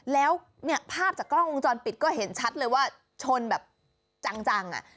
แล้วเนี่ยภาพจากกล้องวงจรปิดก็เห็นชัดเลยว่าชนแบบจังอ่ะ